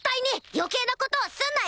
余計なことすんなよ